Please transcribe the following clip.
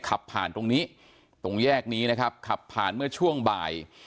ขับผ่านตรงนี้ตรงแยกนี้นะครับขับผ่านเมื่อช่วงบ่าย